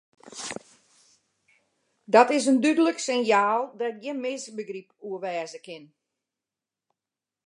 Dat is in dúdlik sinjaal dêr't gjin misbegryp oer wêze kin.